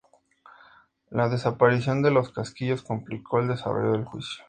La desaparición de los casquillos complicó el desarrollo del juicio.